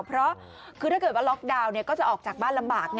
เพราะคือถ้าเกิดว่าล็อกดาวน์ก็จะออกจากบ้านลำบาก